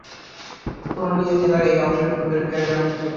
পুরুলিয়া জেলার এই অংশটি পূর্বে বিহারের অংশ ছিল।